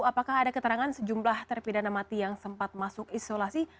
apakah ada keterangan sejumlah terpidana mati yang sempat masuk isolasi